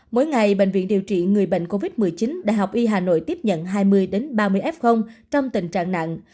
mỗi ngày bệnh viện điều trị người bệnh covid một mươi chín đại học y hà nội tiếp nhận hai mươi ba mươi f trong tình trạng nặng